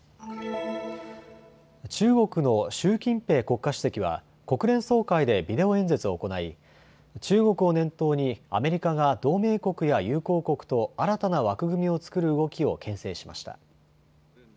中国の習近平国家主席は国連総会でビデオ演説を行い中国を念頭にアメリカが同盟国や友好国と新たな枠組みを作る動きをけん制しました。